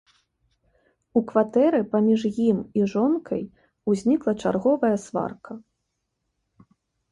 У кватэры паміж ім і жонкай узнікла чарговая сварка.